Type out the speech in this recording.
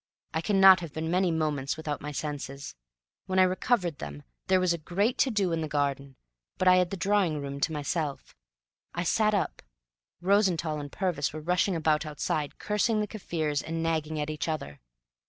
I cannot have been many moments without my senses. When I recovered them there was a great to do in the garden, but I had the drawing room to myself. I sat up. Rosenthall and Purvis were rushing about outside, cursing the Kaffirs and nagging at each other.